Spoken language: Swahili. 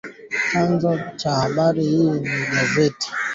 Chanzo cha habari hii ni gazeti la "Mwana Afrika Mashariki"